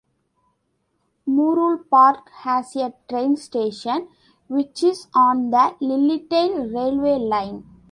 Mooroolbark has a train station which is on the Lilydale railway line.